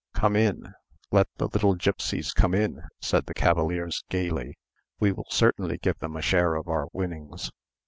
"Come in! Let the little gipsies come in," said the cavaliers, gaily; "we will certainly give them a share of our winnings."